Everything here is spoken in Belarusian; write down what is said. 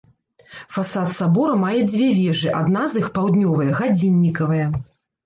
Фасад сабора мае дзве вежы, адна з іх, паўднёвая, гадзіннікавая.